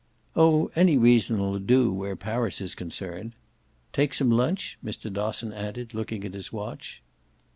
"Oh any reason'll do where Paris is concerned. Take some lunch?" Mr. Dosson added, looking at his watch.